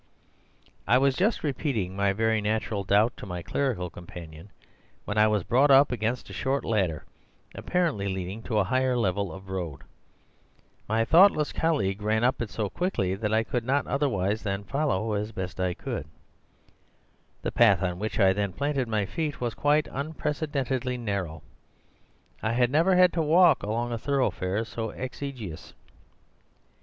"I was just repeating my very natural doubt to my clerical companion when I was brought up against a short ladder, apparently leading to a higher level of road. My thoughtless colleague ran up it so quickly that I could not do otherwise than follow as best I could. The path on which I then planted my feet was quite unprecedentedly narrow. I had never had to walk along a thoroughfare so exiguous.